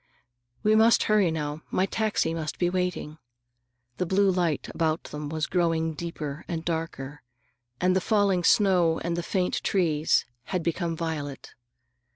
—We must hurry now. My taxi must be waiting." The blue light about them was growing deeper and darker, and the falling snow and the faint trees had become violet.